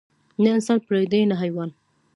نه انسان پرېږدي نه حيوان.